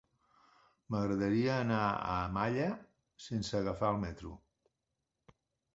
M'agradaria anar a Malla sense agafar el metro.